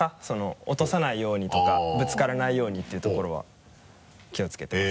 落とさないようにとかぶつからないようにっていうところは気を付けてます。